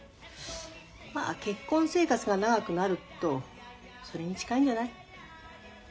まあ結婚生活が長くなるとそれに近いんじゃない？